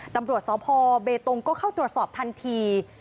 ตำรวจสพเบตงก็เข้าตรวจสอบทันที